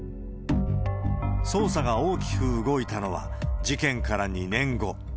捜査が大きく動いたのは、事件から２年後。